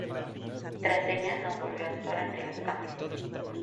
Tras ella no volvió a actuar ante las cámaras.